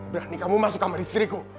berani kamu masuk sama istriku